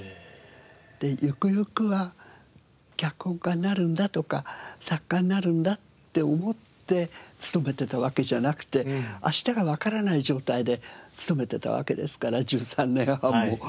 でゆくゆくは脚本家になるんだとか作家になるんだって思って勤めてたわけじゃなくて明日がわからない状態で勤めてたわけですから１３年半も。